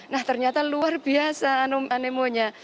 nah ternyata luar biasa anemonya